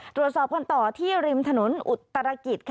ตรวจสอบกันต่อที่ริมถนนอุตรกิจ